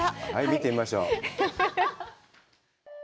見てみましょう。